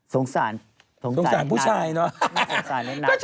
สงสารสงสารผู้ชายเนอะ